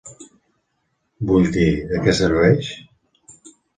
Vull dir, de què serveix?